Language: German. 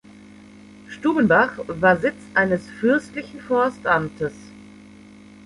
Stubenbach war Sitz eines fürstlichen Forstamtes.